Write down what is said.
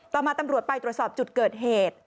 มาตำรวจไปตรวจสอบจุดเกิดเหตุ